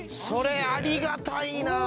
それありがたいな。